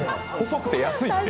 細くて安いって。